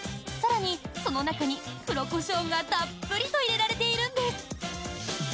更に、その中に黒コショウがたっぷりと入れられているんです。